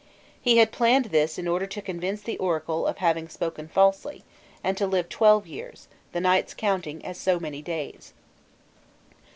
He had planned this in order to convince the oracle of having spoken falsely, and to live twelve years, the nights counting as so many days."